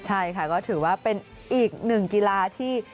ใช่ค่ะก็ถือว่าเป็นอีกหนึ่งกีฬาที่